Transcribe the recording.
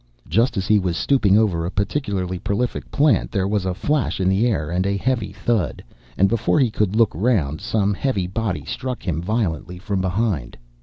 Just as he was stooping over a particularly prolific plant, there was a flash in the air and a heavy thud, and before he could look round, some heavy body struck him violently from behind.